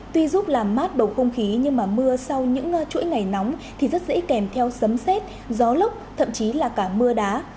tuy giúp làm mát bầu không khí nhưng mà mưa sau những chuỗi ngày nóng thì rất dễ kèm theo sấm xét gió lốc thậm chí là cả mưa đá